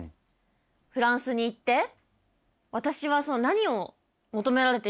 フランスに行って私は何を求められているんだろうって。